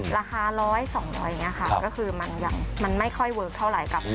ราคา๑๐๐๒๐๐บาทก็คือมันไม่ค่อยเวิร์คเท่าไหร่ครับ